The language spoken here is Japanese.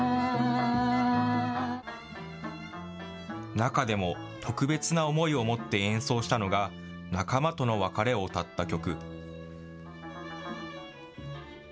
中でも特別な思いを持って演奏したのが、仲間との別れを歌った曲。